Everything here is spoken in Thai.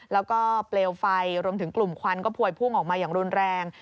แล้วก็เปลวไฟรวมถึงกลุ่มควันก็พวยพุ่งออกมาอย่างรุนแรง